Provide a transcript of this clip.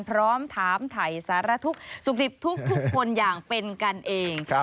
พร้อมถามถ่ายสารทุกข์สุขดิบทุกคนอย่างเป็นกันเอง